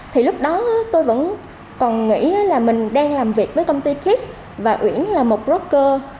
thì lúc đó tôi vẫn còn nghĩ là mình đang làm việc với công ty kax và uyển là một procher